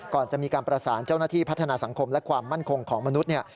ก่อนจะมีการประสานเจ้าหน้าที่พัฒนาสังคมและความมั่นคงของมนุษย์เนี่ย